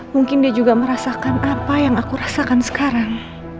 mungkin dia juga merasakan apa yang aku rasakan sekarang